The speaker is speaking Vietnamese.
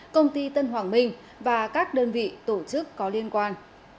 công ty tân hoàng minh và các đơn vị tổ chức có liên quan